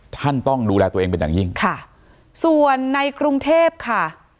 ท่านต้องดูแลตัวเองเป็นอย่างยิ่งค่ะส่วนในกรุงเทพค่ะ